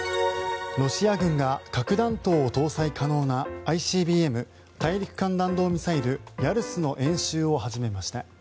ロシア軍が核弾頭を搭載可能なＩＣＢＭ・大陸間弾道ミサイルヤルスの演習を始めました。